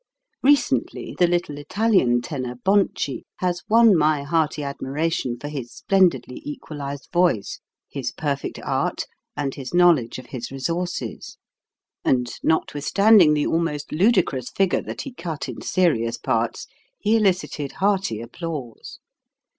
Recently the little Italian tenor Bonci has won my hearty admiration for his splendidly equalized voice, his perfect art, and his knowl edge of his resources; and notwithstanding the almost ludicrous figure that he cut in serious parts, he elicited hearty applause.